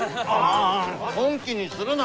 ああ本気にするな！